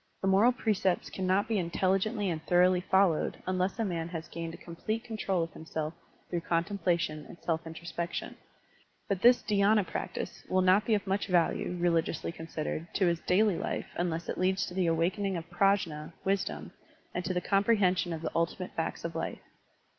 The moral precepts cannot be intelli gently and thoroughly followed unless a man has gained a complete control of himself through contemplation and self introspection. But this dhy^na practice will not be of much value, religiously considered, to his daily life unless it leads to the awakening of PrajM (wisdom) and to the comprehension of the ultimate facts of life.